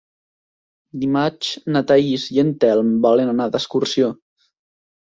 Dimarts na Thaís i en Telm volen anar d'excursió.